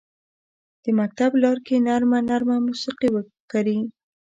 د مکتب لارکې نرمه، نرمه موسیقي وکري